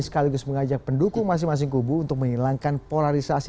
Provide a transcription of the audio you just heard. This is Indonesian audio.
sekaligus mengajak pendukung masing masing kubu untuk menghilangkan polarisasi